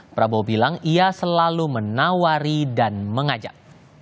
prabowo bilang ia selalu menawari dan mengajak